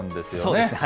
そうですね。